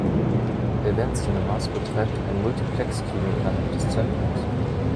Event Cinemas betreibt ein Multiplex-Kino innerhalb des Zentrums.